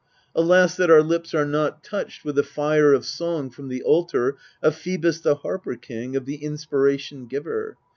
Alas, that our lips are not touched with the fire of song from the altar Of Phcebus, the Harper king, of the inspiration giver